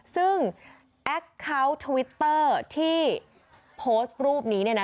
ซึ่งแอคเคาน์ทวิตเตอร์ที่โพสต์รูปนี้เนี่ยนะ